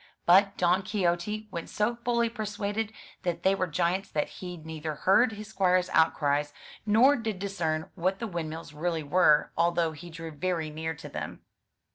But Don Quixote went so fully persuaded that they were giants that he neither heard his squire's outcries, nor did discern what the windmills really were, although he drew very near to them.